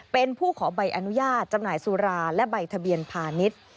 เป็นผู้ขอใบอนุญาตจำหน่ายสุราและใบทะเบียนพาณิชย์